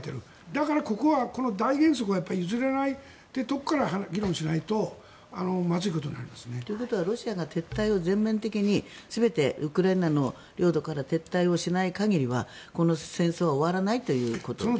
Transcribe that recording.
だからこの大原則は譲れないというところから議論しないとまずいことになりますね。ということはロシアが絶対を全面的にウクライナの領土から撤退をしない限りは、この戦争は終わらないということですか？